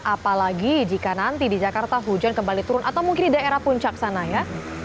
apalagi jika nanti di jakarta hujan kembali turun atau mungkin di daerah puncak sana ya